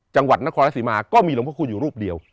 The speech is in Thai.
จังหวัดนครราชสีมาก็มีหลวงพระคุณอยู่รูปเดียว